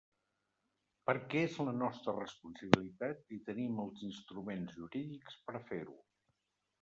Perquè és la nostra responsabilitat i tenim els instruments jurídics per a fer-ho.